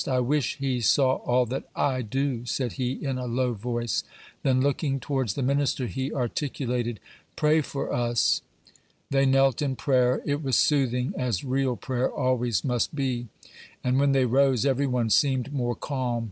"I wish he saw all that I do," said he, in a low voice. Then looking towards the minister, he articulated, "Pray for us." They knelt in prayer. It was soothing, as real prayer always must be; and when they rose, every one seemed more calm.